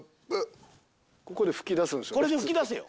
ここで噴き出すんすよ。